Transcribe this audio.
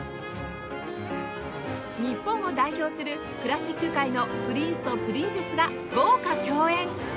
日本を代表するクラシック界のプリンスとプリンセスが豪華共演